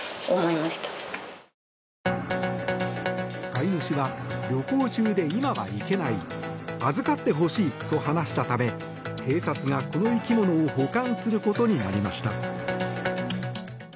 飼い主は旅行中で今は行けない預かってほしいと話したため警察がこの生き物を保管することになりました。